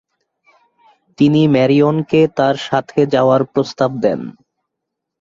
তিনি ম্যারিয়নকে তার সাথে যাওয়ার প্রস্তাব দেন।